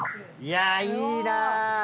いやいいな！